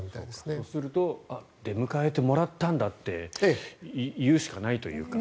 そうすると出迎えてもらったんだって言うしかないというか。